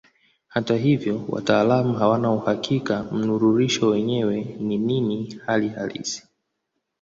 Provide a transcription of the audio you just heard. Hata hivyo wataalamu hawana uhakika mnururisho mwenyewe ni nini hali halisi.